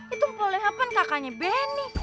itu boleh apaan kakaknya beni